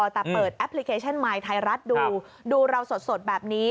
แต่เปิดแอปพลิเคชันไมค์ไทยรัฐดูดูเราสดแบบนี้